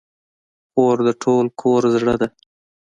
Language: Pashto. خور د ټول کور زړه ده.